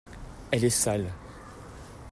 Elle est sale.